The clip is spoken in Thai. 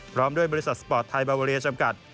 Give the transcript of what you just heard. พร้อมด้วยบริษัทสปอร์ตไทยบาเวอเรียจำกัด